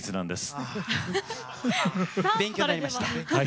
ああ勉強になりました。